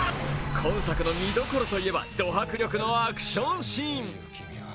今作の見どころといえば、ド迫力のアクションシーン。